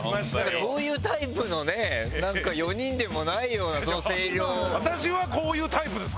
そういうタイプのね４人でもないようなその声量。